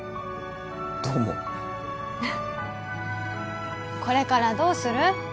どうもこれからどうする？